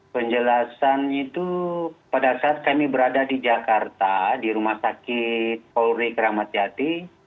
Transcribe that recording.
penjelasan itu pada saat kami berada di jakarta di rumah sakit polri kramat jati